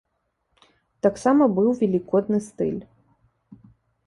Таксама быў велікодны стыль.